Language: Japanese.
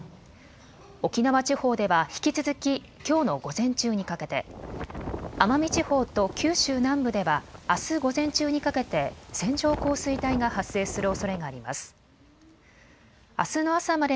沖縄地方では引き続ききょうの午前中にかけて、奄美地方と九州南部ではあす午前中にかけて線状降水帯が発生するおそれがあります。